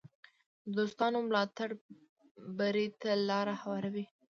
د دوستانو ملاتړ بری ته لار هواروي.